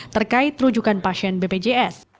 terkait rujukan pasien bpjs